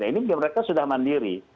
ini mereka sudah mandiri